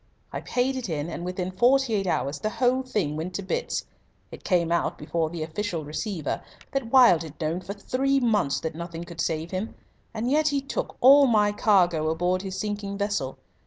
I paid it in, and within forty eight hours the whole thing went to bits. It came out before the Official Receiver that Wilde had known for three months that nothing could save him. And yet he took all my cargo aboard his sinking vessel.